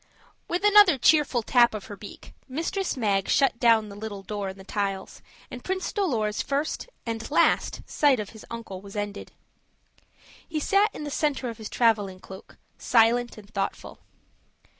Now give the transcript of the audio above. With another cheerful tap of her beak, Mistress Mag shut down the little door in the tiles, and Prince Dolor's first and last sight of his uncle was ended. He sat in the center of his traveling cloak, silent and thoughtful.